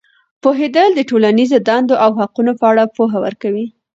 پوهېدل د ټولنیزې دندو او حقونو په اړه پوهه ورکوي.